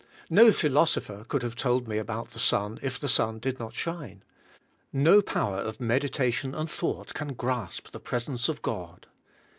No philosopher could have told me about the sun if the sun did not shine. No power of meditation and thought can grasp the presence of God.